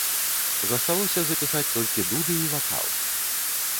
Засталося запісаць толькі дуды і вакал.